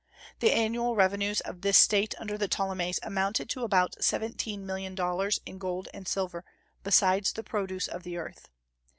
The annual revenues of this State under the Ptolemies amounted to about seventeen million dollars in gold and silver, besides the produce of the earth.